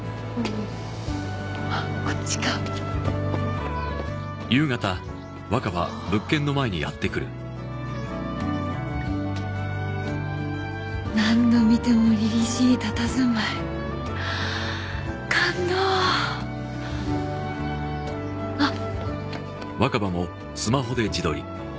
あっこっちかああー何度見てもりりしいたたずまい感動あっ